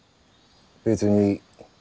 別に。